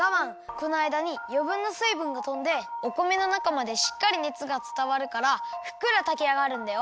このあいだによぶんなすいぶんがとんでお米のなかまでしっかりねつがつたわるからふっくらたきあがるんだよ。